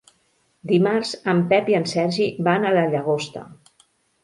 Dimarts en Pep i en Sergi van a la Llagosta.